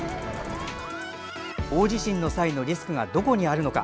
大地震の際のリスクがどこにあるのか。